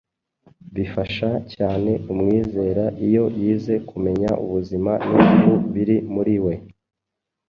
Bifasha cyane umwizera iyo yize kumenya ubuzima n’urupfu biri muri we.